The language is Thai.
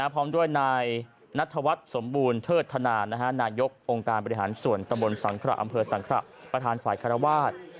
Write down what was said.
พร้อมด้วยนายนัทวัฒน์สมบูรณ์เทิดธนานายกองค์การบริหารส่วนตะบนสังขระอำเภอสังขระประธานฝ่ายคารวาส